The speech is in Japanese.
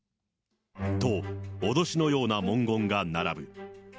と、脅しのような文言が並ぶ。